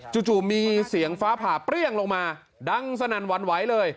จู่มีเสียงฟ้าผ่าเปรี้ยงลงมาดังสนั่นหวั่นไหวเลย